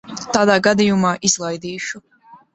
Tādā gadījumā izlaidīšu.